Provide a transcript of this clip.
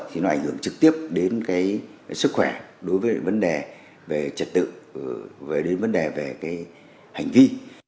thì nó ảnh hưởng trực tiếp đến sức khỏe đối với vấn đề về trật tự về hành vi